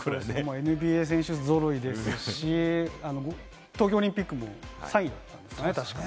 ＮＢＡ選手揃いですし、東京オリンピックも３位だったんですね、確か。